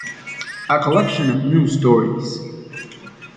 A collection of New Stories.